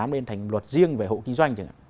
nên thành luật riêng về hộ kinh doanh